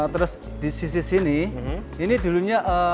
terus di sisi sini ini dulunya